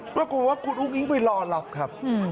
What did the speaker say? ก็กลัวว่าคุณอุ๊กอิ๊งไปรอรับครับ